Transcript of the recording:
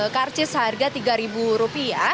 karcis harga rp tiga